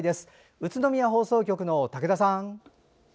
宇都宮放送局の武田さん！